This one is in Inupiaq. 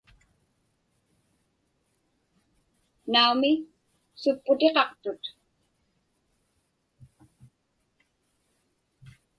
Naumi, supputiqaqtut.